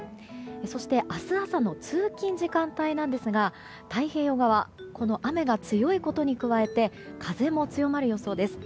そして明日朝の通勤時間帯ですが太平洋側この雨が強いことに加えて風も強まる予想です。